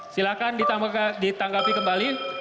silahkan ditangkapi kembali